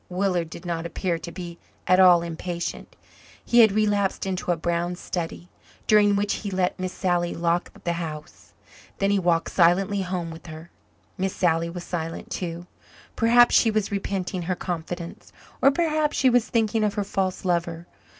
Willard did not appear to be at all impatient. He had relapsed into a brown study, during which he let Miss Sally lock up the house. Then he walked silently home with her. Miss Sally was silent too. Perhaps she was repenting her confidence or perhaps she was thinking of her false lover.